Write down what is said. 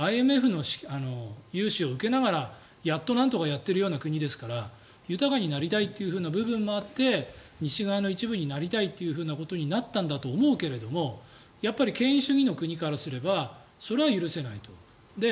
ＩＭＦの融資を受けながらやっとなんとかやっているような国ですから豊かになりたいという部分もあって西側の一部になりたいということになったと思うけどやっぱり権威主義の国からすればそれは許せないと。